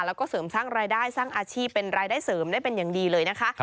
แล้วก็เสริมสร้างรายได้สร้างอาชีพเป็นรายได้เสริมได้เป็นอย่างดีเลยนะคะ